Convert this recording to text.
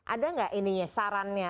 ada nggak ini sarannya